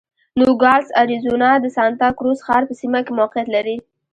نوګالس اریزونا د سانتا کروز ښار په سیمه کې موقعیت لري.